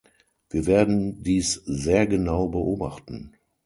Wir werden dies sehr genau beobachten.